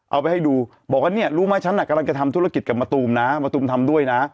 เอาไปให้ดูบอกว่าเนี่ยรู้ไหมฉันกำลังจะทำธุรกิจกับมะตูมนะมะตูมทำด้วยนะ